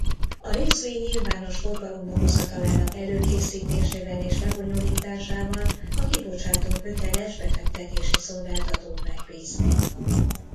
A részvény nyilvános forgalomba hozatalának előkészítésével és lebonyolításával a kibocsátó köteles befektetési szolgáltatót megbízni.